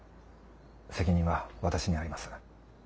責任は私にあります。